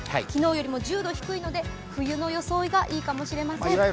昨日よりも１０度低いので、冬の装いがいいかもしれません。